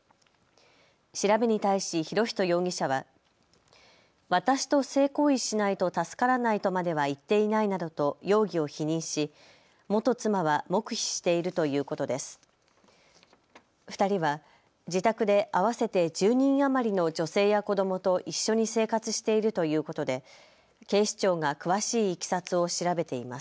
調べに対し博仁容疑者は私と性行為しないと助からないとまでは言っていないなどと容疑を否認し元妻は黙秘しているということです。